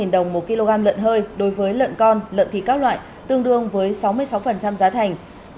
hai mươi năm đồng một kg lợn hơi đối với lợn con lợn thị các loại tương đương với sáu mươi sáu giá thành